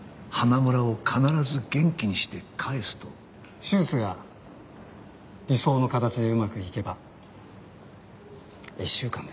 手術が理想の形でうまくいけば１週間で。